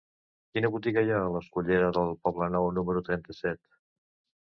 Quina botiga hi ha a la escullera del Poblenou número trenta-set?